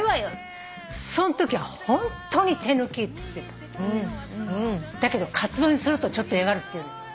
そのときはホントに手抜き」だけどカツ丼にするとちょっと嫌がるって言うの。